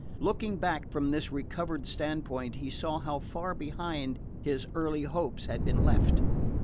Looking back from this recovered standpoint he saw how far behind his early hopes had been left.